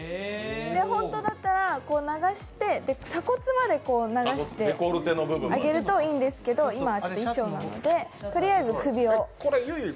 本当だったら鎖骨まで流してあげるといいんですけど、今は衣装なので、とりあえず首を。